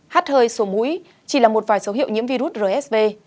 hát hơi sổ mũi chỉ là một vài dấu hiệu nhiễm virus rsv